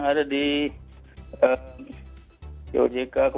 ada di gojk